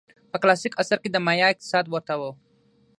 په کلاسیک عصر کې د مایا اقتصاد ورته و.